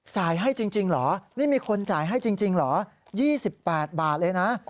จ่ายให้จริงเหรอนี่มีคนจ่ายให้จริงเหรอ๒๘บาทเลยนะ